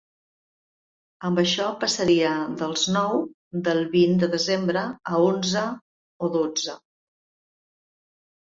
Amb això passaria dels nou del vint de desembre a onze o dotze.